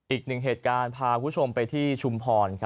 อีกหนึ่งเหตุการณ์พาคุณผู้ชมไปที่ชุมพร